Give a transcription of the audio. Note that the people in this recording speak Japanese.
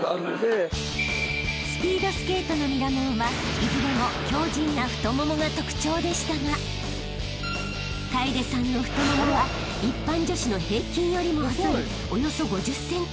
［いずれも強靱な太ももが特徴でしたが楓さんの太ももは一般女子の平均よりも細いおよそ５０ｃｍ］